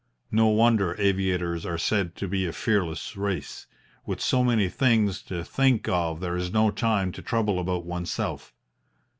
No wonder aviators are said to be a fearless race. With so many things to think of there is no time to trouble about oneself.